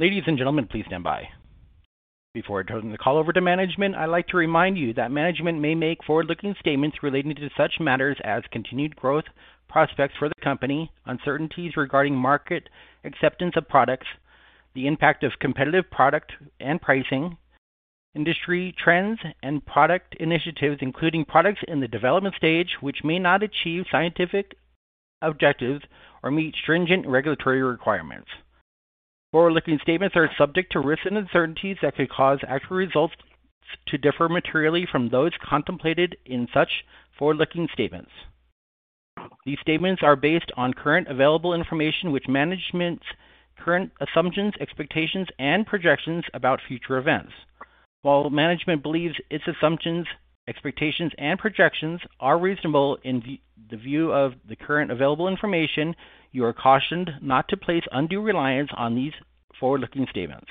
Ladies and gentlemen, please stand by. Before I turn the call over to management, I'd like to remind you that management may make forward-looking statements relating to such matters as continued growth, prospects for the company, uncertainties regarding market acceptance of products, the impact of competitive product and pricing, industry trends and product initiatives, including products in the development stage which may not achieve scientific objectives or meet stringent regulatory requirements. Forward-looking statements are subject to risks and uncertainties that could cause actual results to differ materially from those contemplated in such forward-looking statements. These statements are based on current available information with management's current assumptions, expectations, and projections about future events. While management believes its assumptions, expectations and projections are reasonable in the view of the current available information, you are cautioned not to place undue reliance on these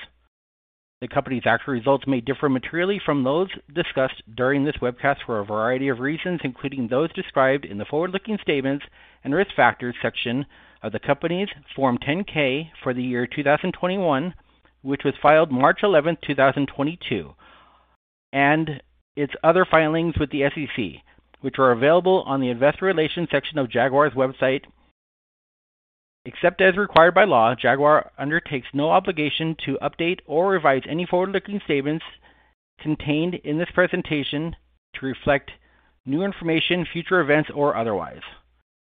forward-looking statements. The company's actual results may differ materially from those discussed during this webcast for a variety of reasons, including those described in the forward-looking statements and risk factors section of the company's Form 10-K for the year 2021, which was filed March 11, 2022, and its other filings with the SEC, which are available on the investor relations section of Jaguar's website. Except as required by law, Jaguar undertakes no obligation to update or revise any forward-looking statements contained in this presentation to reflect new information, future events, or otherwise.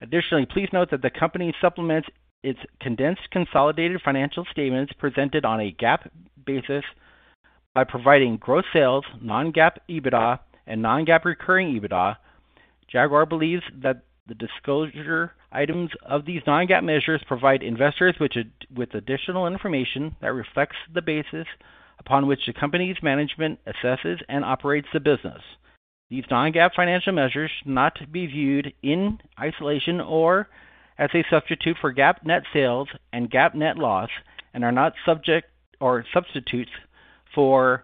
Additionally, please note that the company supplements its condensed consolidated financial statements presented on a GAAP basis by providing gross sales, non-GAAP EBITDA, and non-GAAP recurring EBITDA. Jaguar believes that the disclosure items of these non-GAAP measures provide investors with additional information that reflects the basis upon which the company's management assesses and operates the business. These non-GAAP financial measures should not be viewed in isolation or as a substitute for GAAP net sales and GAAP net loss and are not substitutes for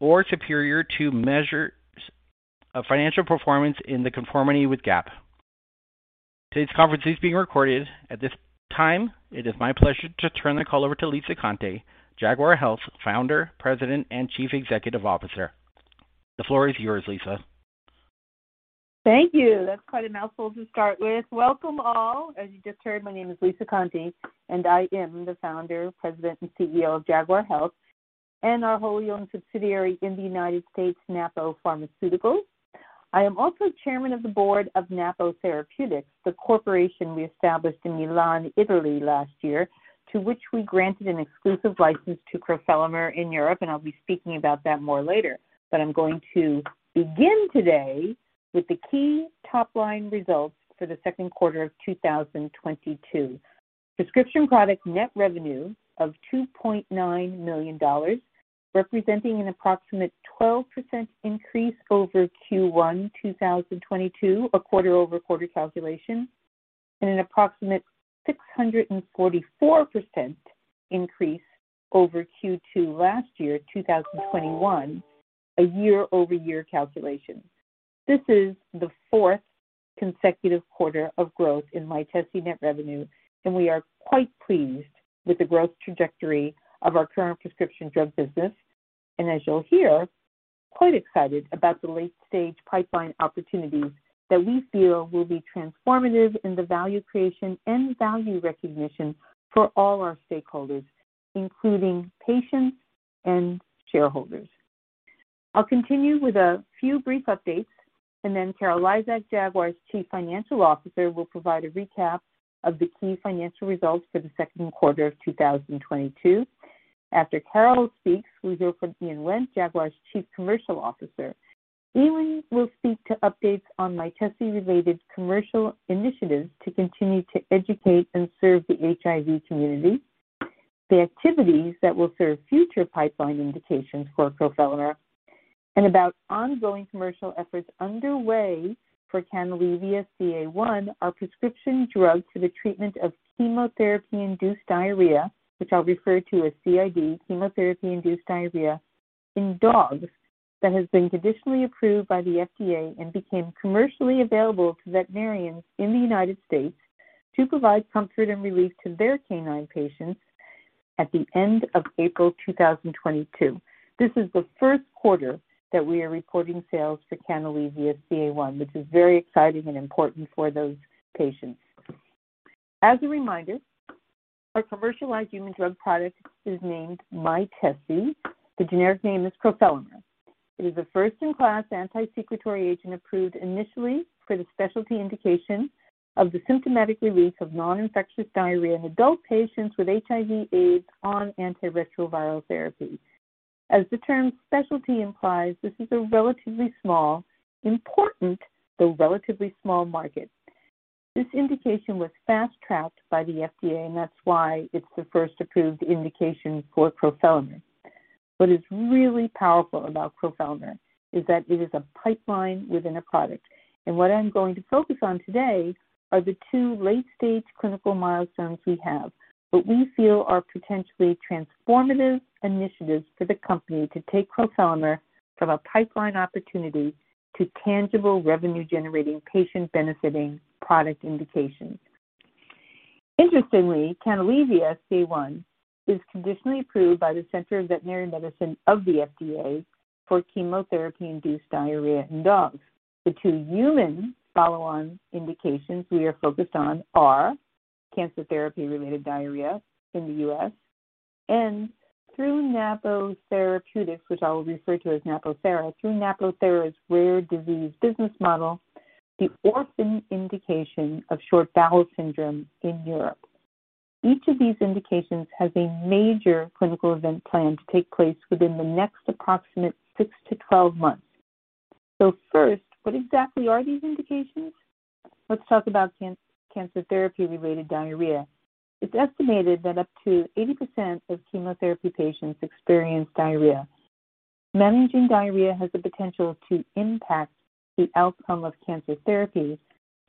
or superior to measures of financial performance in conformity with GAAP. Today's conference is being recorded. At this time, it is my pleasure to turn the call over to Lisa Conte, Jaguar Health Founder, President and Chief Executive Officer. The floor is yours, Lisa. Thank you. That's quite a mouthful to start with. Welcome all. As you just heard, my name is Lisa Conte, and I am the founder, President and CEO of Jaguar Health and our wholly owned subsidiary in the United States, Napo Pharmaceuticals. I am also Chairman of the board of Napo Therapeutics, the corporation we established in Milan, Italy last year, to which we granted an exclusive license to crofelemer in Europe, and I'll be speaking about that more later. I'm going to begin today with the key top-line results for the Q2 of 2022. Prescription product net revenue of $2.9 million, representing an approximate 12% increase over Q1 2022, a quarter-over-quarter calculation, and an approximate 644% increase over Q2 last year, 2021, a year-over-year calculation. This is the fourth consecutive quarter of growth in Mytesi net revenue, and we are quite pleased with the growth trajectory of our current prescription drug business. As you'll hear, quite excited about the late-stage pipeline opportunities that we feel will be transformative in the value creation and value recognition for all our stakeholders, including patients and shareholders. I'll continue with a few brief updates and then Carol Lizak, Jaguar's Chief Financial Officer, will provide a recap of the key financial results for the second quarter of 2022. After Carol speaks, we hear from Ian Wendt, Jaguar's Chief Commercial Officer. Ian will speak to updates on Mytesi related commercial initiatives to continue to educate and serve the HIV community, the activities that will serve future pipeline indications for crofelemer, and about ongoing commercial efforts underway for Canalevia-CA1, our prescription drug for the treatment of chemotherapy-induced diarrhea, which I'll refer to as CID, chemotherapy-induced diarrhea in dogs that has been conditionally approved by the FDA and became commercially available to veterinarians in the United States to provide comfort and relief to their canine patients at the end of April 2022. This is the first quarter that we are reporting sales for Canalevia-CA1, which is very exciting and important for those patients. As a reminder, our commercialized human drug product is named Mytesi. The generic name is crofelemer. It is a first-in-class anti-secretory agent, approved initially for the specialty indication of the symptomatic relief of non-infectious diarrhea in adult patients with HIV/AIDS on antiretroviral therapy. As the term specialty implies, this is a relatively small, important, though relatively small market. This indication was fast-tracked by the FDA, and that's why it's the first approved indication for crofelemer. What is really powerful about crofelemer is that it is a pipeline within a product. What I'm going to focus on today are the two late-stage clinical milestones we have that we feel are potentially transformative initiatives for the company to take crofelemer from a pipeline opportunity to tangible revenue-generating patient-benefiting product indications. Interestingly, Canalevia-CA1 is conditionally approved by the Center for Veterinary Medicine of the FDA for chemotherapy-induced diarrhea in dogs. The two human follow-on indications we are focused on are cancer therapy-related diarrhea in the U.S. and through Napo Therapeutics, which I will refer to as NapoThera, through NapoThera's rare disease business model, the orphan indication of short bowel syndrome in Europe. Each of these indications has a major clinical event plan to take place within the next approximate 6-12 months. First, what exactly are these indications? Let's talk about cancer therapy-related diarrhea. It's estimated that up to 80% of chemotherapy patients experience diarrhea. Managing diarrhea has the potential to impact the outcome of cancer therapy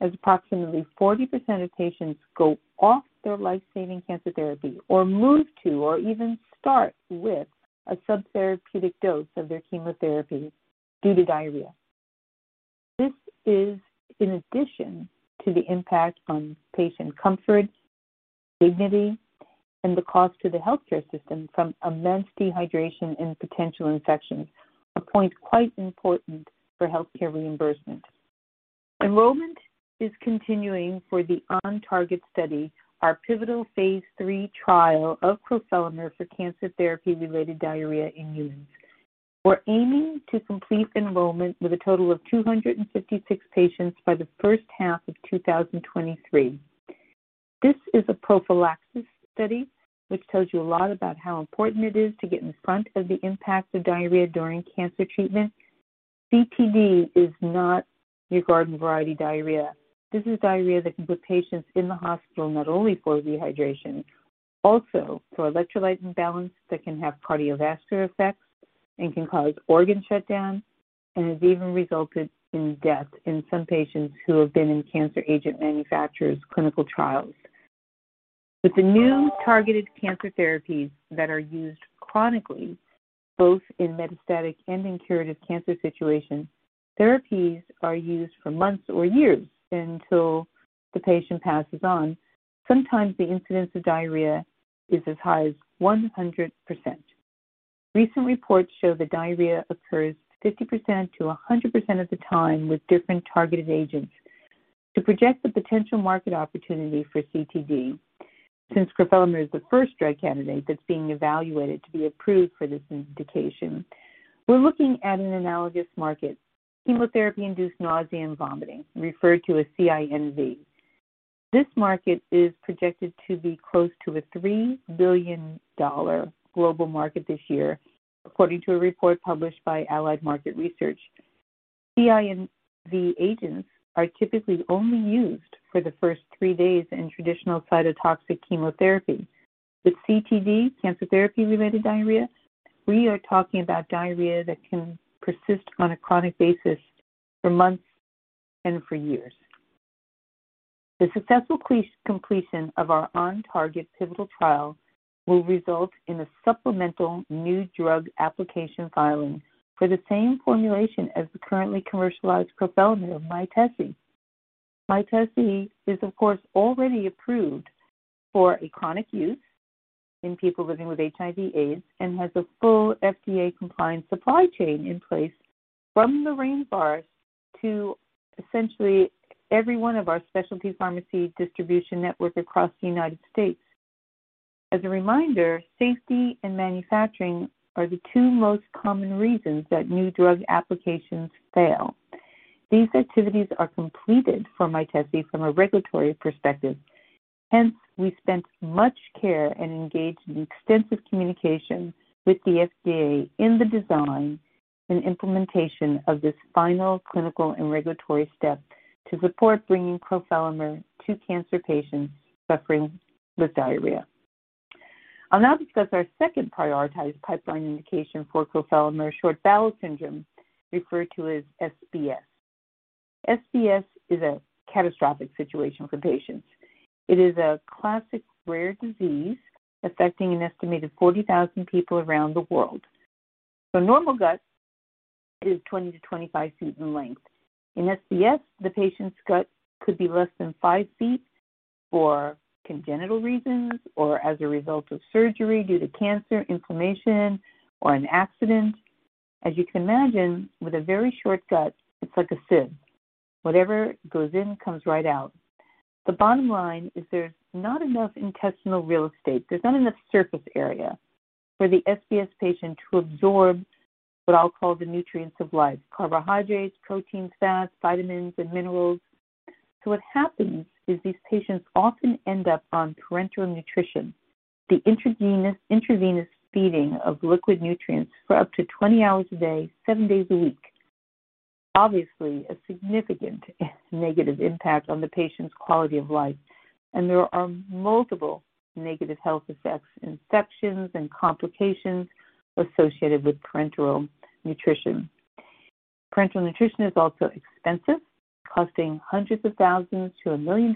as approximately 40% of patients go off their life-saving cancer therapy or move to or even start with a subtherapeutic dose of their chemotherapy due to diarrhea. This is in addition to the impact on patient comfort, dignity, and the cost to the healthcare system from immense dehydration and potential infections, a point quite important for healthcare reimbursement. Enrollment is continuing for the OnTarget study, our pivotal phase III trial of crofelemer for cancer therapy-related diarrhea in humans. We're aiming to complete enrollment with a total of 256 patients by the first half of 2023. This is a prophylaxis study which tells you a lot about how important it is to get in front of the impact of diarrhea during cancer treatment. CTD is not your garden variety diarrhea. This is diarrhea that can put patients in the hospital, not only for dehydration, also for electrolyte imbalance that can have cardiovascular effects and can cause organ shutdown, and has even resulted in death in some patients who have been in cancer agent manufacturers clinical trials. With the new targeted cancer therapies that are used chronically, both in metastatic and in curative cancer situations, therapies are used for months or years until the patient passes on. Sometimes the incidence of diarrhea is as high as 100%. Recent reports show that diarrhea occurs 50%-100% of the time with different targeted agents. To project the potential market opportunity for CID, since crofelemer is the first drug candidate that's being evaluated to be approved for this indication, we're looking at an analogous market, chemotherapy-induced nausea and vomiting, referred to as CINV. This market is projected to be close to a $3 billion global market this year, according to a report published by Allied Market Research. CINV agents are typically only used for the first three days in traditional cytotoxic chemotherapy. With CTD, cancer therapy related diarrhea, we are talking about diarrhea that can persist on a chronic basis for months and for years. The successful completion of our OnTarget pivotal trial will result in a supplemental new drug application filing for the same formulation as the currently commercialized crofelemer Mytesi. Mytesi is, of course, already approved for a chronic use in people living with HIV/AIDS and has a full FDA compliant supply chain in place from the rainforest to essentially every one of our specialty pharmacy distribution network across the United States. As a reminder, safety and manufacturing are the two most common reasons that new drug applications fail. These activities are completed for Mytesi from a regulatory perspective. Hence, we spent much care and engaged in extensive communication with the FDA in the design and implementation of this final clinical and regulatory step to support bringing crofelemer to cancer patients suffering with diarrhea. I'll now discuss our second prioritized pipeline indication for crofelemer short bowel syndrome, referred to as SBS. SBS is a catastrophic situation for patients. It is a classic rare disease affecting an estimated 40,000 people around the world. Normal gut is 20-25 feet in length. In SBS, the patient's gut could be less than 5 feet for congenital reasons or as a result of surgery due to cancer, inflammation, or an accident. As you can imagine, with a very short gut, it's like a sieve. Whatever goes in, comes right out. The bottom line is there's not enough intestinal real estate, there's not enough surface area for the SBS patient to absorb what I'll call the nutrients of life, carbohydrates, proteins, fats, vitamins and minerals. What happens is these patients often end up on parenteral nutrition, the intravenous feeding of liquid nutrients for up to 20 hours a day, seven days a week. Obviously, a significant negative impact on the patient's quality of life, and there are multiple negative health effects, infections, and complications associated with parenteral nutrition. Parenteral nutrition is also expensive, costing hundreds of thousands to $1 million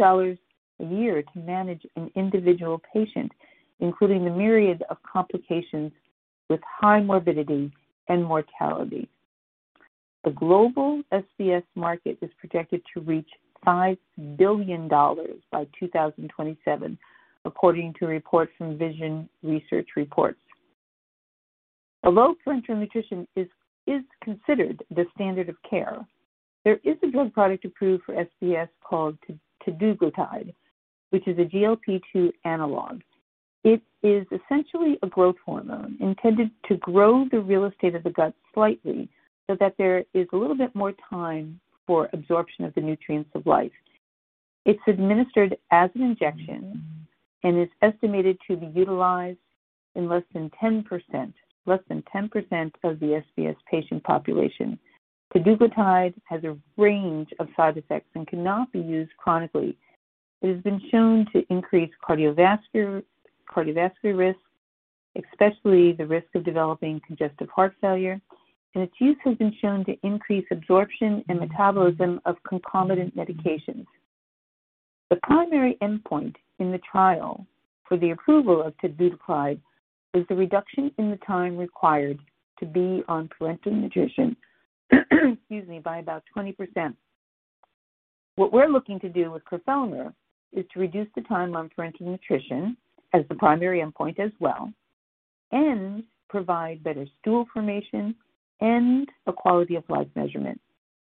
a year to manage an individual patient, including the myriad of complications with high morbidity and mortality. The global SBS market is projected to reach $5 billion by 2027, according to reports from Visiongain. Although parenteral nutrition is considered the standard of care, there is a blood product approved for SBS called Teduglutide, which is a GLP-2 analog. It is essentially a growth hormone intended to grow the real estate of the gut slightly so that there is a little bit more time for absorption of the nutrients of life. It's administered as an injection and is estimated to be utilized in less than 10% of the SBS patient population. Teduglutide has a range of side effects and cannot be used chronically. It has been shown to increase cardiovascular risks, especially the risk of developing congestive heart failure, and its use has been shown to increase absorption and metabolism of concomitant medications. The primary endpoint in the trial for the approval of Teduglutide is the reduction in the time required to be on parenteral nutrition, excuse me, by about 20%. What we're looking to do with crofelemer is to reduce the time on parenteral nutrition as the primary endpoint as well and provide better stool formation and a quality of life measurement.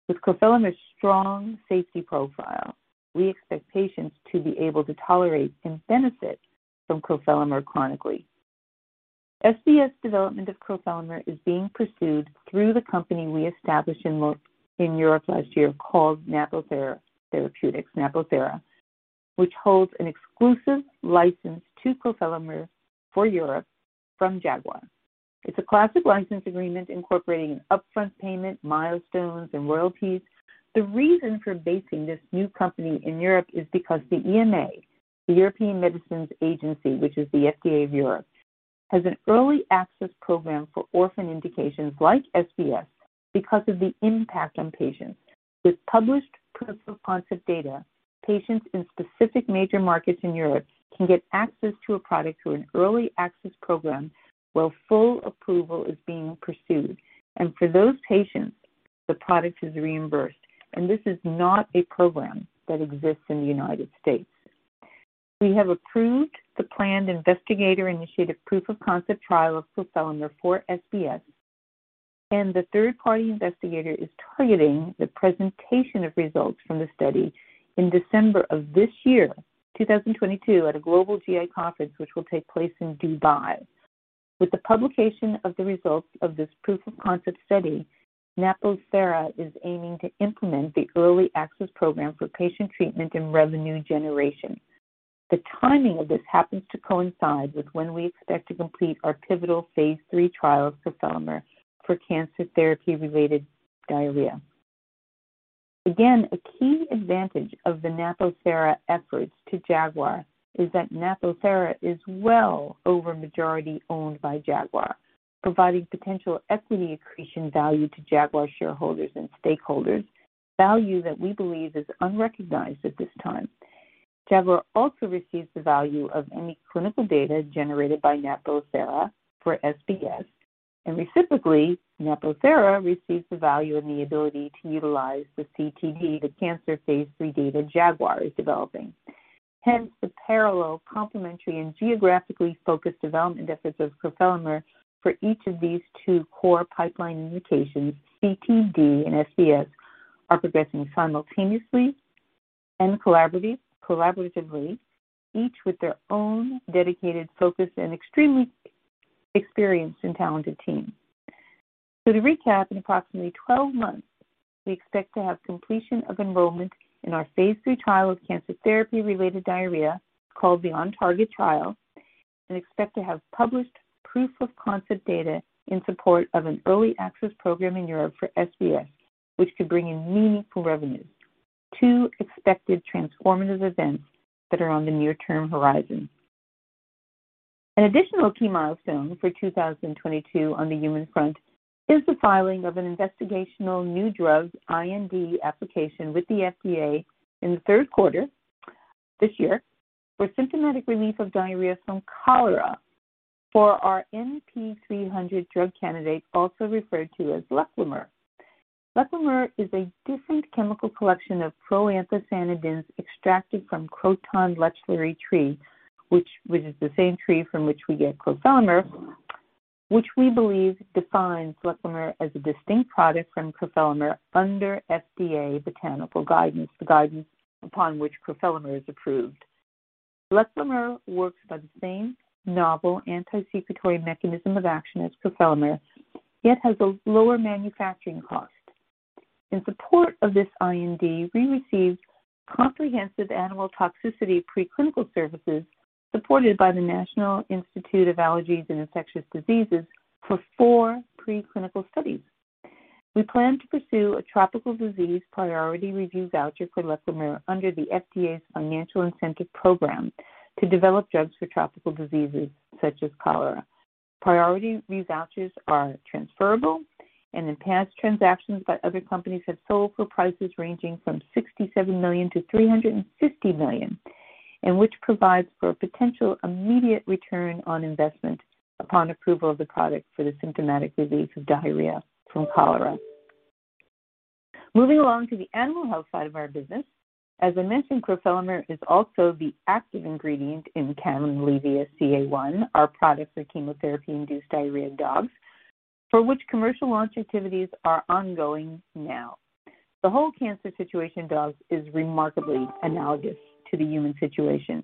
With crofelemer's strong safety profile, we expect patients to be able to tolerate and benefit from crofelemer chronically. SBS development of crofelemer is being pursued through the company we established in Europe last year called NapoThera Therapeutics, NapoThera, which holds an exclusive license to crofelemer for Europe from Jaguar. It's a classic license agreement incorporating an upfront payment, milestones, and royalties. The reason for basing this new company in Europe is because the EMA, the European Medicines Agency, which is the FDA of Europe, has an early access program for orphan indications like SBS because of the impact on patients. With published proof-of-concept data, patients in specific major markets in Europe can get access to a product through an early access program while full approval is being pursued. For those patients, the product is reimbursed. This is not a program that exists in the United States. We have approved the planned investigator-initiated proof-of-concept trial of crofelemer for SBS, and the third-party investigator is targeting the presentation of results from the study in December of this year, 2022, at a global GI conference which will take place in Dubai. With the publication of the results of this proof-of-concept study, NapoThera is aiming to implement the early access program for patient treatment and revenue generation. The timing of this happens to coincide with when we expect to complete our pivotal phase III trial of crofelemer for cancer therapy-related diarrhea. Again, a key advantage of the NapoThera efforts to Jaguar is that NapoThera is well over majority owned by Jaguar, providing potential equity accretion value to Jaguar shareholders and stakeholders, value that we believe is unrecognized at this time. Jaguar also receives the value of any clinical data generated by NapoThera for SBS, and reciprocally, NapoThera receives the value and the ability to utilize the CTD, the cancer phase III data Jaguar is developing. Hence, the parallel, complementary, and geographically focused development efforts of crofelemer for each of these two core pipeline indications, CTD and SBS, are progressing simultaneously and collaboratively, each with their own dedicated focus and extremely experienced and talented team. To recap, in approximately 12 months, we expect to have completion of enrollment in our phase III trial of cancer therapy-related diarrhea, called the OnTarget trial. We expect to have published proof-of-concept data in support of an early access program in Europe for SBS, which could bring in meaningful revenues. Two expected transformative events that are on the near-term horizon. An additional key milestone for 2022 on the human front is the filing of an Investigational New Drug, IND, application with the FDA in the Q3 this year for symptomatic relief of diarrhea from cholera for our NP-300 drug candidate, also referred to as Lechlemer. Lechlemer is a different chemical collection of proanthocyanidins extracted from Croton lechleri tree, which is the same tree from which we get crofelemer, which we believe defines Lechlemer as a distinct product from crofelemer under FDA botanical guidance, the guidance upon which crofelemer is approved. Lechlemer works by the same novel anti-secretory mechanism of action as crofelemer, yet has a lower manufacturing cost. In support of this IND, we received comprehensive animal toxicity preclinical services supported by the National Institute of Allergy and Infectious Diseases for four preclinical studies. We plan to pursue a tropical disease priority review voucher for Lechlemer under the FDA's financial incentive program to develop drugs for tropical diseases such as cholera. Priority review vouchers are transferable and in past transactions by other companies have sold for prices ranging from $67 million-$350 million, and which provides for a potential immediate return on investment upon approval of the product for the symptomatic relief of diarrhea from cholera. Moving along to the animal health side of our business. As I mentioned, crofelemer is also the active ingredient in Canalevia-CA1, our product for chemotherapy-induced diarrhea in dogs, for which commercial launch activities are ongoing now. The whole cancer situation in dogs is remarkably analogous to the human situation.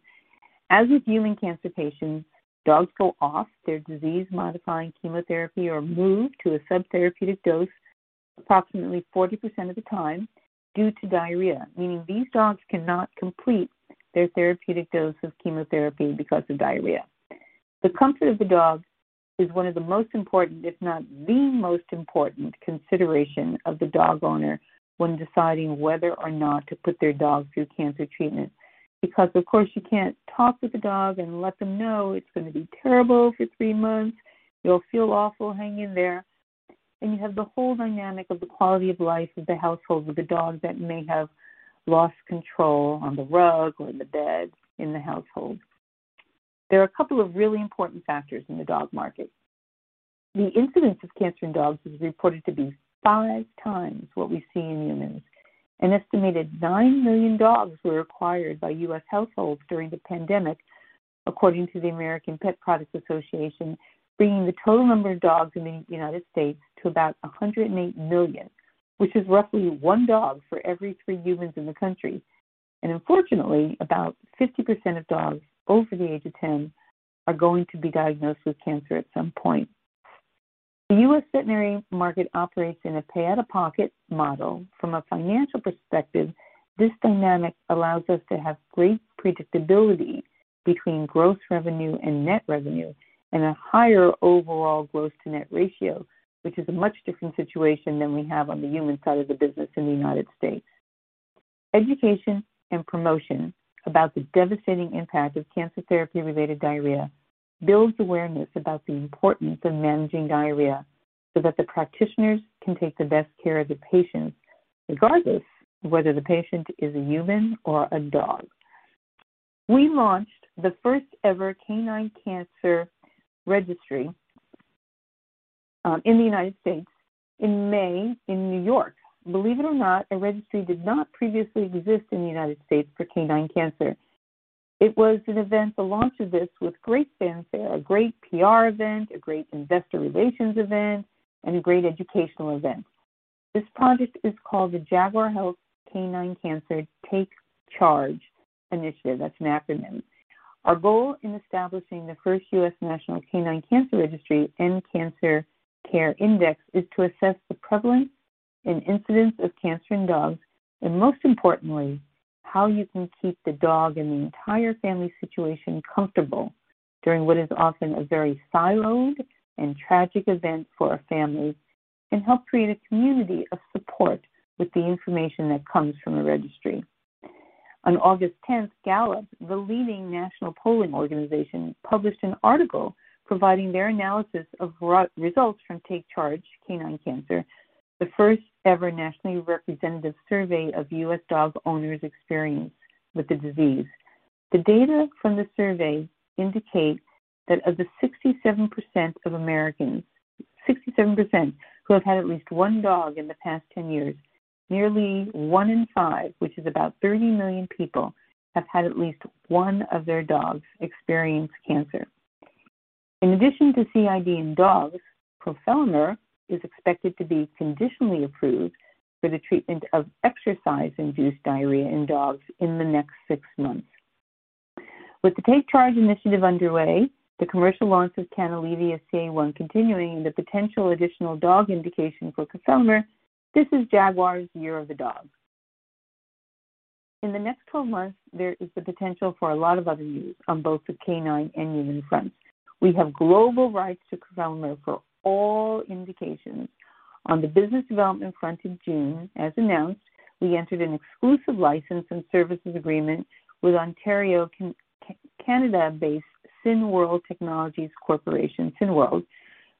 As with human cancer patients, dogs go off their disease-modifying chemotherapy or move to a subtherapeutic dose approximately 40% of the time due to diarrhea, meaning these dogs cannot complete their therapeutic dose of chemotherapy because of diarrhea. The comfort of the dog is one of the most important, if not the most important consideration of the dog owner when deciding whether or not to put their dog through cancer treatment. Because of course, you can't talk with the dog and let them know it's going to be terrible for three months. You'll feel awful. Hang in there. And you have the whole dynamic of the quality of life of the household with a dog that may have lost control on the rug or the bed in the household. There are a couple of really important factors in the dog market. The incidence of cancer in dogs is reported to be 5x what we see in humans. An estimated 9 million dogs were acquired by U.S. households during the pandemic, according to the American Pet Products Association, bringing the total number of dogs in the United States to about 108 million, which is roughly one dog for every three humans in the country. Unfortunately, about 50% of dogs over the age of 10 are going to be diagnosed with cancer at some point. The U.S. veterinary market operates in a pay-out-of-pocket model. From a financial perspective, this dynamic allows us to have great predictability between gross revenue and net revenue and a higher overall gross to net ratio, which is a much different situation than we have on the human side of the business in the United States. Education and promotion about the devastating impact of cancer therapy-related diarrhea builds awareness about the importance of managing diarrhea so that the practitioners can take the best care of the patients, regardless of whether the patient is a human or a dog. We launched the first ever canine cancer registry in the United States in May in New York. Believe it or not, a registry did not previously exist in the United States for canine cancer. It was an event, the launch of this with great fanfare, a great PR event, a great investor relations event, and a great educational event. This project is called the Jaguar Health Canine Cancer Take C.H.A.R.G.E. initiative. That's an acronym. Our goal in establishing the first U.S. National Canine Cancer Registry and Cancer Care Index is to assess the prevalence and incidence of cancer in dogs and most importantly, how you can keep the dog and the entire family situation comfortable during what is often a very siloed and tragic event for a family and help create a community of support with the information that comes from a registry. On August 10th, Gallup, the leading national polling organization, published an article providing their analysis of results from Take C.H.A.R.G.E. Canine Cancer, the first-ever nationally representative survey of U.S. dog owners' experience with the disease. The data from the survey indicate that of the 67% of Americans who have had at least one dog in the past 10 years, nearly one in five, which is about 30 million people, have had at least one of their dogs experience cancer. In addition to CID in dogs, crofelemer is expected to be conditionally approved for the treatment of exercise-induced diarrhea in dogs in the next six months. With the Take C.H.A.R.G.E. initiative underway, the commercial launch of Canalevia-CA1 continuing the potential additional dog indication for crofelemer, this is Jaguar's year of the dog. In the next 12 months, there is the potential for a lot of other use on both the canine and human fronts. We have global rights to crofelemer for all indications. On the business development front in June, as announced, we entered an exclusive license and services agreement with Ontario, Canada-based SynWorld Technologies Corporation, SynWorld,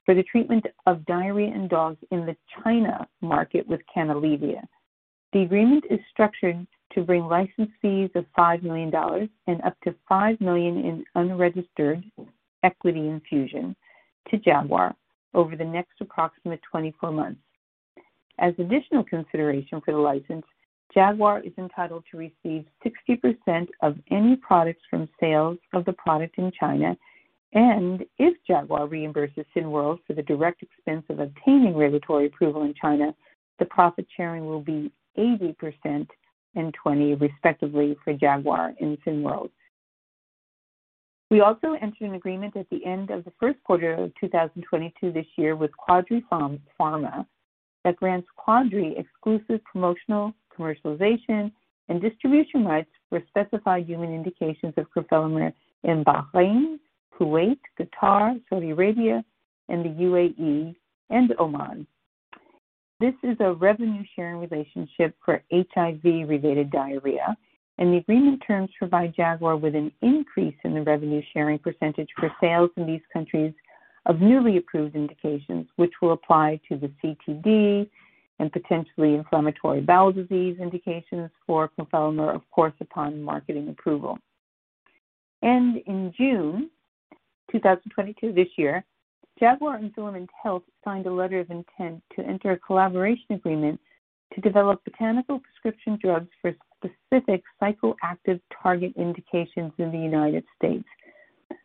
for the treatment of diarrhea in dogs in the China market with Canalevia. The agreement is structured to bring license fees of $5 million and up to $5 million in unregistered equity infusion to Jaguar over the next approximate 24 months. As additional consideration for the license, Jaguar is entitled to receive 60% of any profits from sales of the product in China, and if Jaguar reimburses SynWorld for the direct expense of obtaining regulatory approval in China, the profit sharing will be 80% and 20% respectively for Jaguar and SynWorld. We also entered an agreement at the end of the Q1 of 2022 this year with Quadri Pharmaceuticals that grants Quadri exclusive promotional, commercialization, and distribution rights for specified human indications of crofelemer in Bahrain, Kuwait, Qatar, Saudi Arabia, and the UAE, and Oman. This is a revenue sharing relationship for HIV-related diarrhea, and the agreement terms provide Jaguar with an increase in the revenue sharing percentage for sales in these countries of newly approved indications which will apply to the CTD and potentially inflammatory bowel disease indications for crofelemer, of course, upon marketing approval. In June 2022, this year, Jaguar and Filament Health signed a letter of intent to enter a collaboration agreement to develop botanical prescription drugs for specific psychoactive target indications in the United States.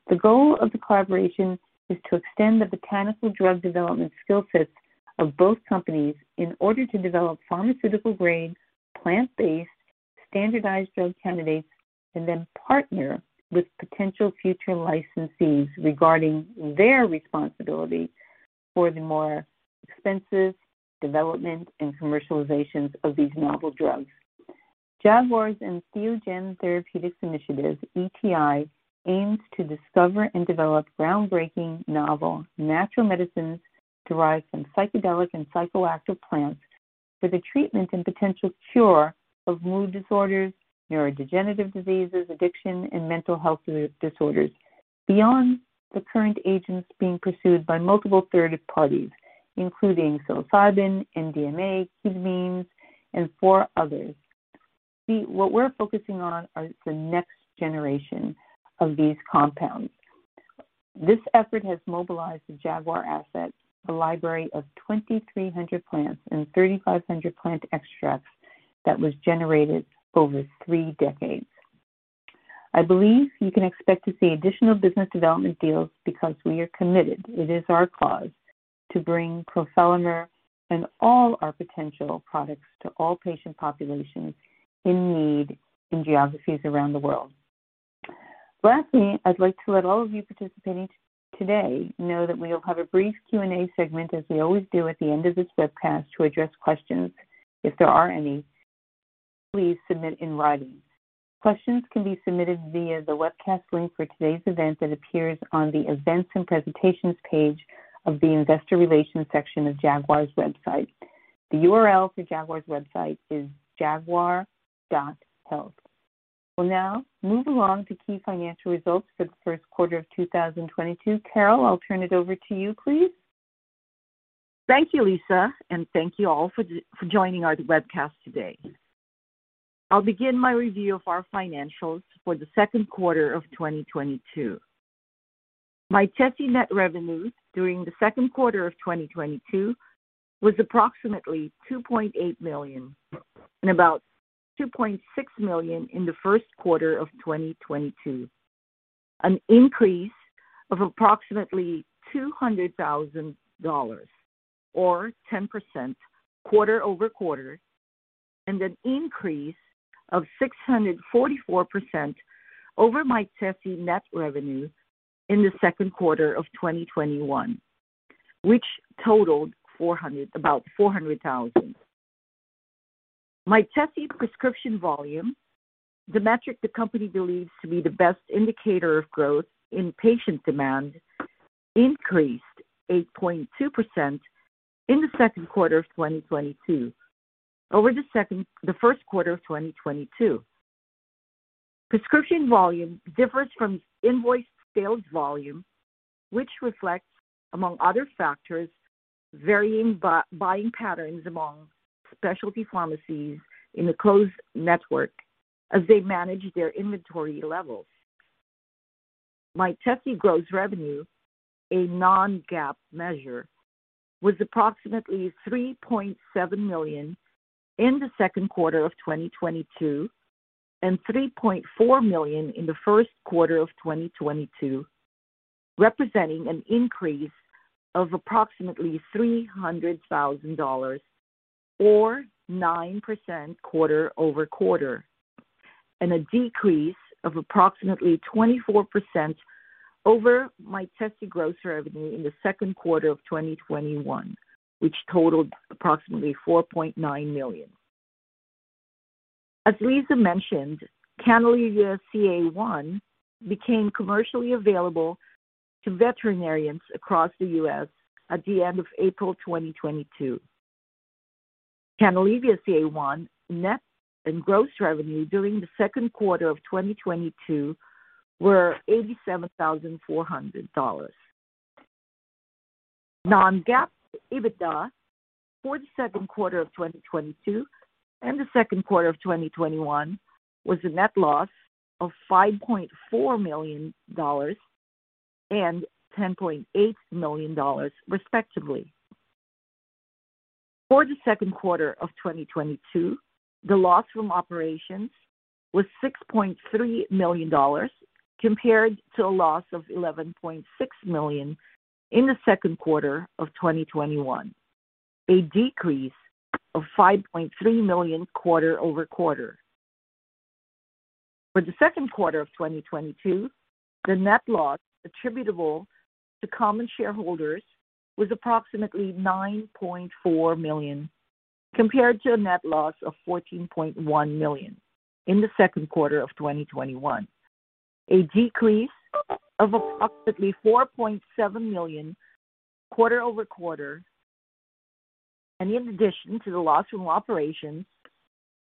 The goal of the collaboration is to extend the botanical drug development skill sets of both companies in order to develop pharmaceutical-grade, plant-based, standardized drug candidates and then partner with potential future licensees regarding their responsibility for the more expensive development and commercializations of these novel drugs. Jaguar's Entheogen Therapeutics Initiative, ETI, aims to discover and develop groundbreaking novel natural medicines derived from psychedelic and psychoactive plants for the treatment and potential cure of mood disorders, neurodegenerative diseases, addiction, and mental health disorders. Beyond the current agents being pursued by multiple third parties, including psilocybin, MDMA, ketamine, and four others. See, what we're focusing on are the next generation of these compounds. This effort has mobilized the Jaguar asset, a library of 2,300 plants and 3,500 plant extracts that was generated over three decades. I believe you can expect to see additional business development deals because we are committed. It is our cause to bring crofelemer and all our potential products to all patient populations in need in geographies around the world. Lastly, I'd like to let all of you participating today know that we will have a brief Q&A segment, as we always do, at the end of this webcast to address questions if there are any. Please submit in writing. Questions can be submitted via the webcast link for today's event that appears on the Events and Presentations page of the Investor Relations section of Jaguar's website. The URL for Jaguar's website is jaguar.health. We'll now move along to key financial results for the Q1 of 2022. Carol, I'll turn it over to you, please. Thank you, Lisa, and thank you all for joining our webcast today. I'll begin my review of our financials for the Q2 of 2022. Mytesi net revenues during the Q2 of 2022 was approximately $2.8 million and about $2.6 million in the Q1 of 2022, an increase of approximately $200,000 or 10% quarter-over-quarter, and an increase of 644% over Mytesi net revenue in the Q2 of 2021, which totaled about $400,000. Mytesi prescription volume, the metric the company believes to be the best indicator of growth in patient demand, increased 8.2% in the Q2 of 2022 over the Q1 of 2022. Prescription volume differs from invoiced sales volume, which reflects, among other factors, varying buying patterns among specialty pharmacies in the closed network as they manage their inventory levels. Mytesi gross revenue, a non-GAAP measure, was approximately $3.7 million in the Q2 of 2022 and $3.4 million in the Q1 of 2022, representing an increase of approximately $300,000 or 9% quarter over quarter, and a decrease of approximately 24% over Mytesi gross revenue in the Q2 of 2021, which totaled approximately $4.9 million. As Lisa mentioned, Canalevia CA-1 became commercially available to veterinarians across the U.S. at the end of April 2022. Canalevia CA-1 net and gross revenue during the Q2 of 2022 were $87,400. Non-GAAP EBITDA for the Q2 of 2022 and the Q2 of 2021 was a net loss of $5.4 million and $10.8 million, respectively. For the Q2 of 2022, the loss from operations was $6.3 million compared to a loss of $11.6 million in the Q2 of 2021, a decrease of $5.3 million quarter over quarter. For the Q2 of 2022, the net loss attributable to common shareholders was approximately $9.4 million, compared to a net loss of $14.1 million in the Q2 of 2021. A decrease of approximately $4.7 million quarter over quarter. In addition to the loss from operations,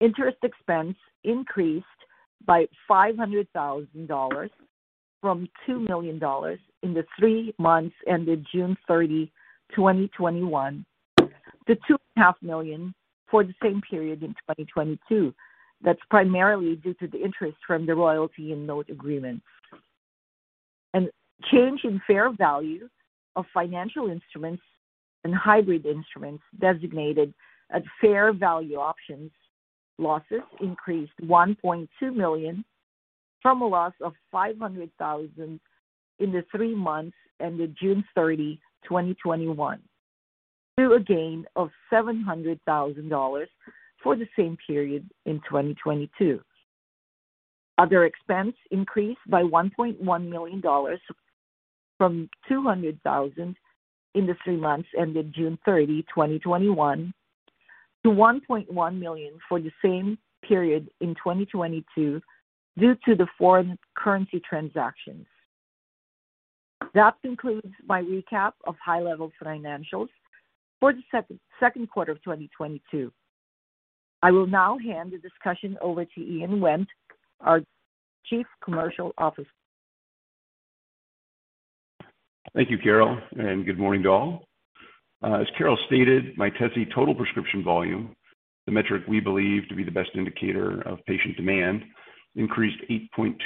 interest expense increased by $500,000 from $2 million in the three months ended June 30, 2021 to $2.5 million for the same period in 2022. That's primarily due to the interest from the royalty and note agreements. Change in fair value of financial instruments and hybrid instruments designated as fair value options. Losses increased $1.2 million from a loss of $500,000 in the three months ended June 30, 2021 to a gain of $700,000 for the same period in 2022. Other expense increased by $1.1 million from $200,000 in the three months ended June 30, 2021 to $1.1 million for the same period in 2022 due to the foreign currency transactions. That concludes my recap of high-level financials for the Q2 of 2022. I will now hand the discussion over to Ian Wendt, our Chief Commercial Officer. Thank you, Carol, and good morning to all. As Carol stated, Mytesi total prescription volume, the metric we believe to be the best indicator of patient demand, increased 8.2%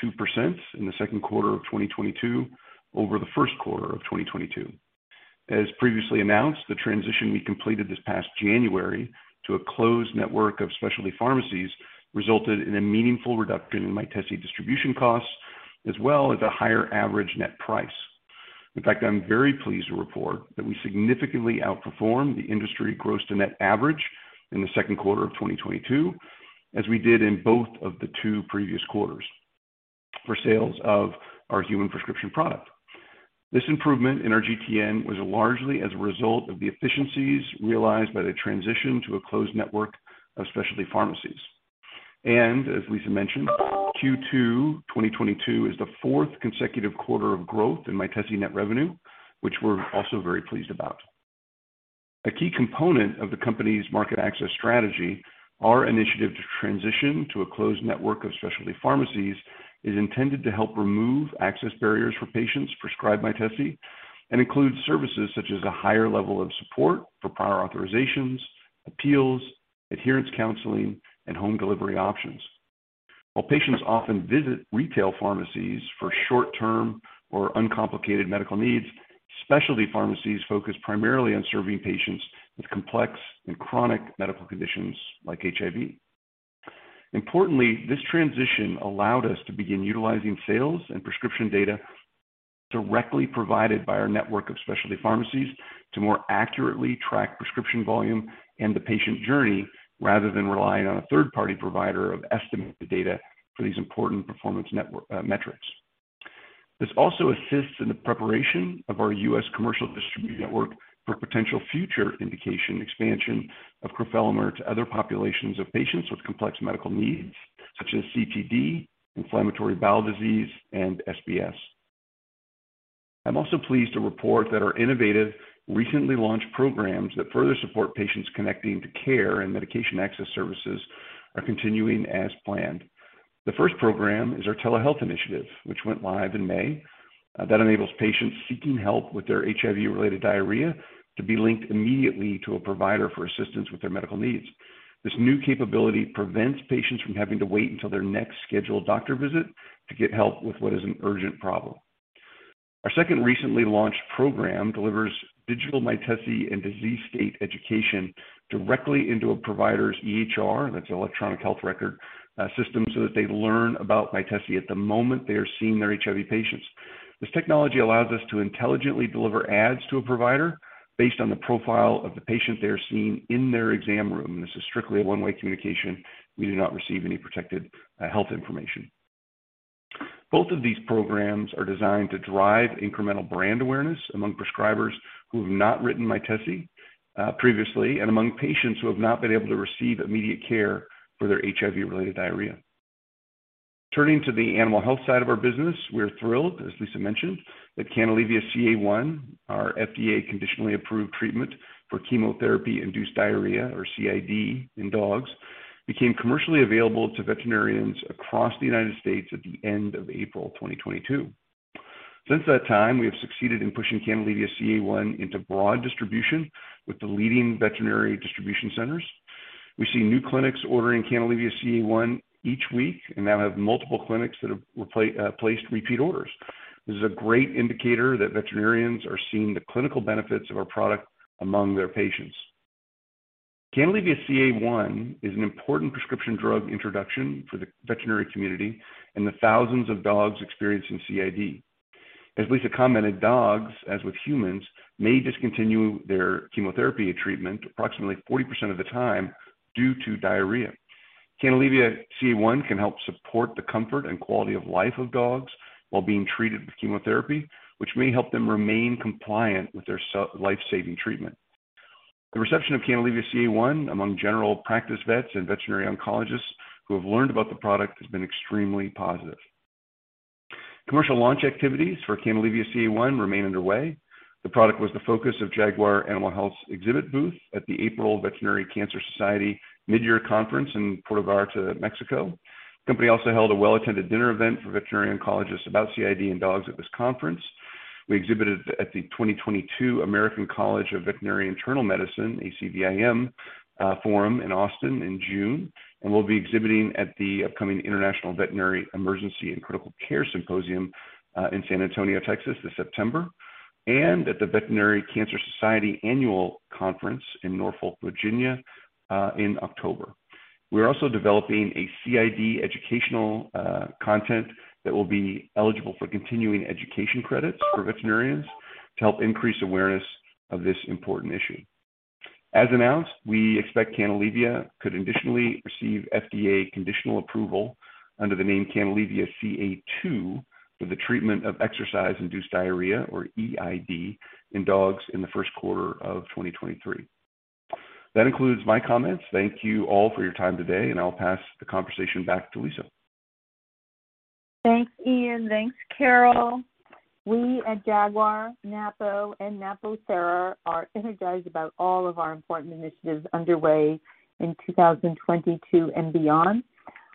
in the Q2 of 2022 over the Q1 of 2022. As previously announced, the transition we completed this past January to a closed network of specialty pharmacies resulted in a meaningful reduction in Mytesi distribution costs, as well as a higher average net price. In fact, I'm very pleased to report that we significantly outperformed the industry gross to net average in the Q2 of 2022, as we did in both of the two previous quarters for sales of our human prescription product. This improvement in our GTN was largely as a result of the efficiencies realized by the transition to a closed network of specialty pharmacies. As Lisa mentioned, Q2 2022 is the fourth consecutive quarter of growth in Mytesi net revenue, which we're also very pleased about. A key component of the company's market access strategy, our initiative to transition to a closed network of specialty pharmacies, is intended to help remove access barriers for patients prescribed Mytesi and includes services such as a higher level of support for prior authorizations, appeals, adherence counseling, and home delivery options. While patients often visit retail pharmacies for short-term or uncomplicated medical needs, specialty pharmacies focus primarily on serving patients with complex and chronic medical conditions like HIV. Importantly, this transition allowed us to begin utilizing sales and prescription data directly provided by our network of specialty pharmacies to more accurately track prescription volume and the patient journey, rather than relying on a third-party provider of estimated data for these important performance network metrics. This also assists in the preparation of our U.S. commercial distribution network for potential future indication expansion of crofelemer to other populations of patients with complex medical needs, such as CTD, inflammatory bowel disease, and SBS. I'm also pleased to report that our innovative, recently launched programs that further support patients connecting to care and medication access services are continuing as planned. The first program is our telehealth initiative, which went live in May. That enables patients seeking help with their HIV-related diarrhea to be linked immediately to a provider for assistance with their medical needs. This new capability prevents patients from having to wait until their next scheduled doctor visit to get help with what is an urgent problem. Our second recently launched program delivers digital Mytesi and disease state education directly into a provider's EHR, that's electronic health record, system, so that they learn about Mytesi at the moment they are seeing their HIV patients. This technology allows us to intelligently deliver ads to a provider based on the profile of the patient they are seeing in their exam room. This is strictly a one-way communication. We do not receive any protected, health information. Both of these programs are designed to drive incremental brand awareness among prescribers who have not written Mytesi, previously and among patients who have not been able to receive immediate care for their HIV-related diarrhea. Turning to the animal health side of our business, we're thrilled, as Lisa mentioned, that Canalevia-CA1, our FDA conditionally approved treatment for chemotherapy-induced diarrhea, or CID, in dogs, became commercially available to veterinarians across the United States at the end of April 2022. Since that time, we have succeeded in pushing Canalevia-CA1 into broad distribution with the leading veterinary distribution centers. We see new clinics ordering Canalevia-CA1 each week and now have multiple clinics that have placed repeat orders. This is a great indicator that veterinarians are seeing the clinical benefits of our product among their patients. Canalevia-CA1 is an important prescription drug introduction for the veterinary community and the thousands of dogs experiencing CID. As Lisa commented, dogs, as with humans, may discontinue their chemotherapy treatment approximately 40% of the time due to diarrhea. Canalevia-CA1 can help support the comfort and quality of life of dogs while being treated with chemotherapy, which may help them remain compliant with their life-saving treatment. The reception of Canalevia-CA1 among general practice vets and veterinary oncologists who have learned about the product has been extremely positive. Commercial launch activities for Canalevia-CA1 remain underway. The product was the focus of Jaguar Animal Health's exhibit booth at the April Veterinary Cancer Society mid-year conference in Puerto Vallarta, Mexico. Company also held a well-attended dinner event for veterinary oncologists about CID in dogs at this conference. We exhibited at the 2022 American College of Veterinary Internal Medicine, ACVIM, forum in Austin in June, and we'll be exhibiting at the upcoming International Veterinary Emergency and Critical Care Symposium in San Antonio, Texas, this September, and at the Veterinary Cancer Society Annual Conference in Norfolk, Virginia, in October. We're also developing a CID educational content that will be eligible for continuing education credits for veterinarians to help increase awareness of this important issue. As announced, we expect Canalevia could additionally receive FDA conditional approval under the name Canalevia-CA2 for the treatment of exercise-induced diarrhea or EID in dogs in the Q1 of 2023. That concludes my comments. Thank you all for your time today, and I'll pass the conversation back to Lisa. Thanks, Ian. Thanks, Carol. We at Jaguar, Napo, and NapoThera are energized about all of our important initiatives underway in 2022 and beyond.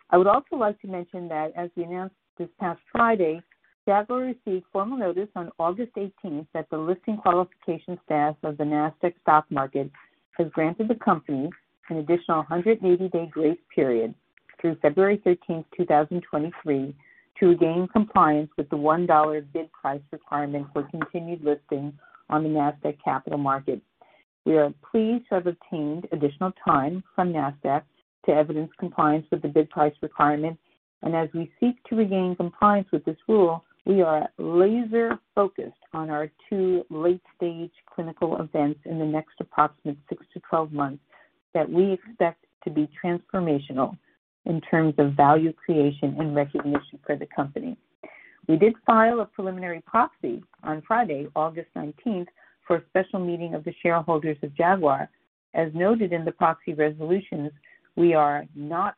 I would also like to mention that as we announced this past Friday, Jaguar received formal notice on August 18 that the listing qualification staff of the Nasdaq Stock Market has granted the company an additional 180-day grace period through February 13, 2023, to regain compliance with the $1 bid price requirement for continued listing on the Nasdaq Capital Market. We are pleased to have obtained additional time from Nasdaq to evidence compliance with the bid price requirement. As we seek to regain compliance with this rule, we are laser-focused on our two late-stage clinical events in the next approximate 6-12 months that we expect to be transformational in terms of value creation and recognition for the company. We did file a preliminary proxy on Friday, August 19, for a special meeting of the shareholders of Jaguar. As noted in the proxy resolutions, we are not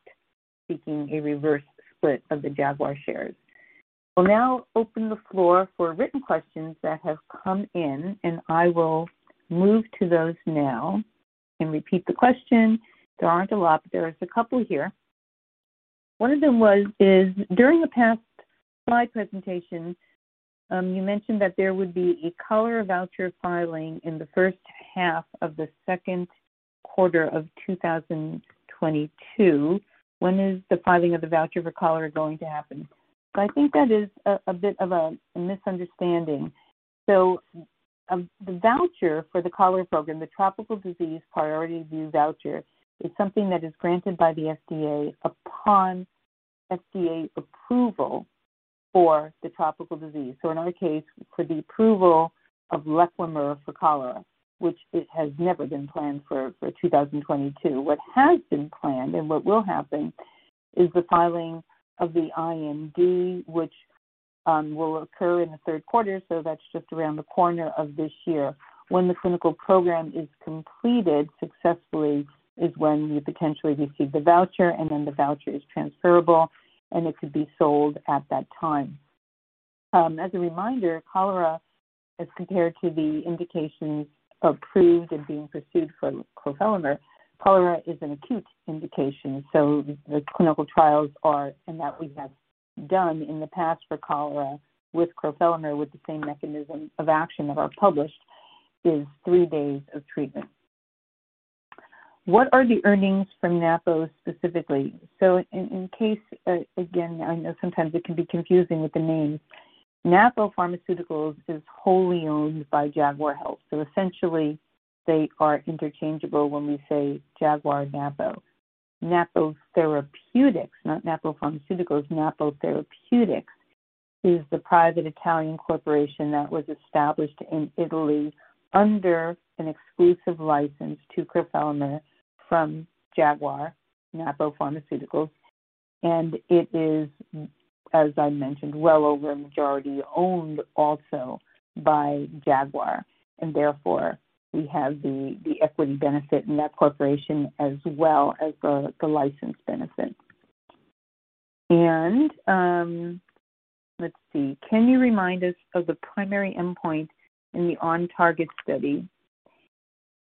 seeking a reverse split of the Jaguar shares. We'll now open the floor for written questions that have come in, and I will move to those now and repeat the question. There aren't a lot, but there is a couple here. One of them is, during the past slide presentation, you mentioned that there would be a cholera voucher filing in the first half of the Q2 of 2022. When is the filing of the voucher for cholera going to happen? I think that is a bit of a misunderstanding. The voucher for the cholera program, the Tropical Disease Priority Review Voucher, is something that is granted by the FDA upon FDA approval for the tropical disease. In our case, for the approval of Lechlemer for cholera, which it has never been planned for 2022. What has been planned and what will happen is the filing of the IND, which will occur in the Q3, so that's just around the corner of this year. When the clinical program is completed successfully is when you potentially receive the voucher, and then the voucher is transferable, and it could be sold at that time. As a reminder, cholera, as compared to the indications approved and being pursued for crofelemer, cholera is an acute indication, so the clinical trials are, and that we have done in the past for cholera with crofelemer with the same mechanism of action that are published, is three days of treatment. What are the earnings from Napo specifically? In case, again, I know sometimes it can be confusing with the names. Napo Pharmaceuticals is wholly owned by Jaguar Health. Essentially, they are interchangeable when we say Jaguar Napo. Napo Therapeutics, not Napo Pharmaceuticals, Napo Therapeutics, is the private Italian corporation that was established in Italy under an exclusive license to crofelemer from Jaguar Napo Pharmaceuticals. It is, as I mentioned, well over majority owned also by Jaguar, and therefore we have the equity benefit in that corporation as well as the license benefit. Let's see. Can you remind us of the primary endpoint in the OnTarget study?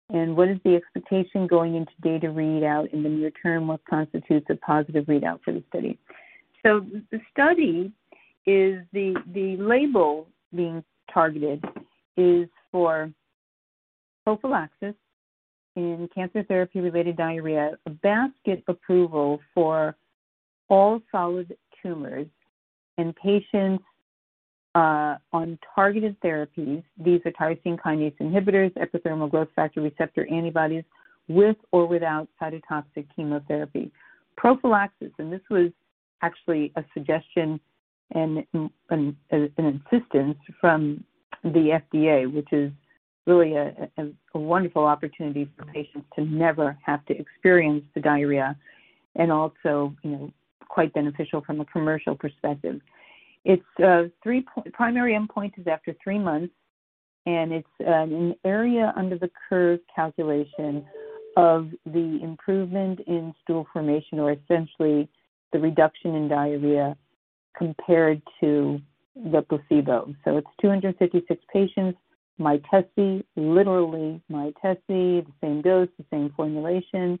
What is the expectation going into data readout in the near term? What constitutes a positive readout for the study? The study is the label being targeted is for prophylaxis in cancer therapy-related diarrhea, a basket approval for all solid tumors in patients on targeted therapies. These are tyrosine kinase inhibitors, epidermal growth factor receptor antibodies with or without cytotoxic chemotherapy. Prophylaxis, this was actually a suggestion and an insistence from the FDA, which is really a wonderful opportunity for patients to never have to experience the diarrhea and also quite beneficial from a commercial perspective. Primary endpoint is after three months, and it's an area under the curve calculation of the improvement in stool formation, or essentially the reduction in diarrhea compared to the placebo. It's 256 patients, Mytesi, literally Mytesi, the same dose, the same formulation,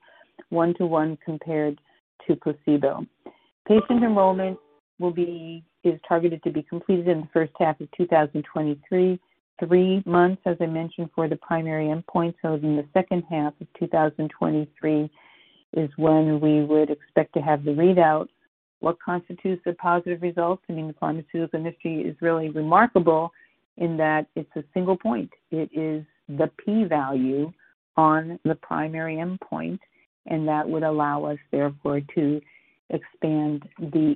one-to-one compared to placebo. Patient enrollment is targeted to be completed in the first half of 2023. Three months, as I mentioned, for the primary endpoint. In the second half of 2023 is when we would expect to have the readout. What constitutes a positive result in the pharmaceutical industry is really remarkable in that it's a single point. It is the P value on the primary endpoint, and that would allow us, therefore, to expand the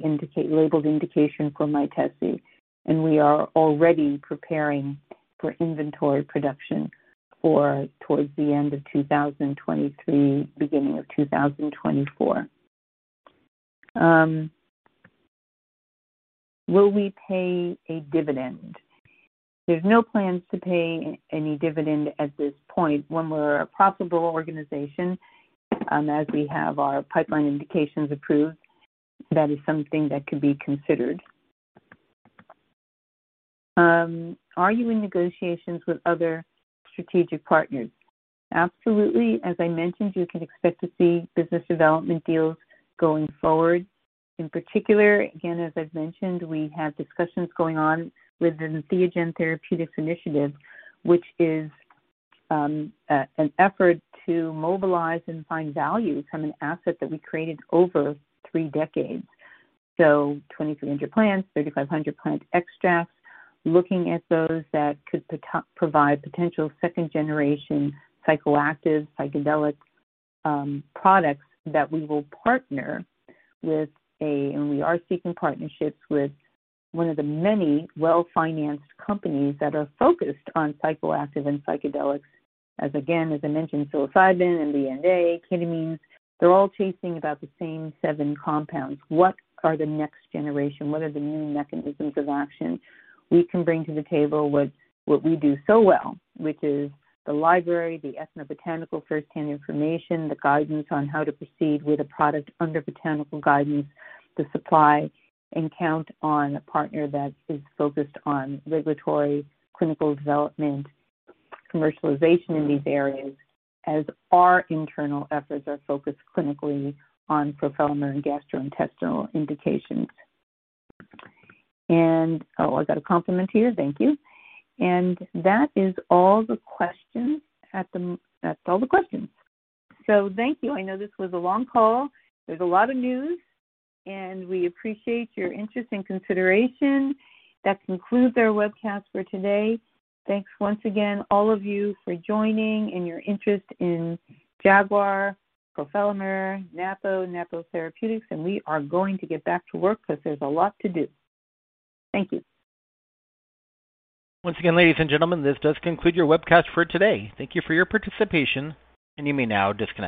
labeled indication for Mytesi. We are already preparing for inventory production towards the end of 2023, beginning of 2024. Will we pay a dividend? There's no plans to pay any dividend at this point. When we're a profitable organization, as we have our pipeline indications approved, that is something that could be considered. Are you in negotiations with other strategic partners? Absolutely. As I mentioned, you can expect to see business development deals going forward. In particular, again, as I've mentioned, we have discussions going on with the Entheogen Therapeutics Initiative, which is an effort to mobilize and find value from an asset that we created over three decades. 2,300 plants, 3,500 plant extracts, looking at those that could provide potential second-generation psychoactives, psychedelics, products that we will partner with a, and we are seeking partnerships with one of the many well-financed companies that are focused on psychoactives and psychedelics. As again, as I mentioned, psilocybin, MDMA, ketamine, they're all chasing about the same seven compounds. What are the next generation? What are the new mechanisms of action? We can bring to the table what we do so well, which is the library, the ethnobotanical first-hand information, the guidance on how to proceed with a product under botanical guidance, the supply, and count on a partner that is focused on regulatory, clinical development, commercialization in these areas, as our internal efforts are focused clinically on crofelemer and gastrointestinal indications. Oh, I got a compliment here. Thank you. That is all the questions. That's all the questions. Thank you. I know this was a long call. There's a lot of news, and we appreciate your interest and consideration. That concludes our webcast for today. Thanks once again, all of you, for joining in your interest in Jaguar Health, crofelemer, Napo Therapeutics. We are going to get back to work 'cause there's a lot to do. Thank you. Once again, ladies and gentlemen, this does conclude your webcast for today. Thank you for your participation, and you may now disconnect.